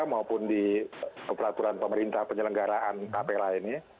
maupun di peraturan pemerintah penyelenggaraan tapera ini